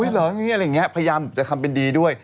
พยายามจะทำเป็นดีด้วย